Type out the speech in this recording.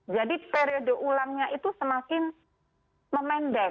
jadi periode ulangnya itu semakin memendek